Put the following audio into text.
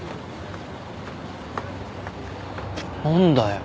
何だよ。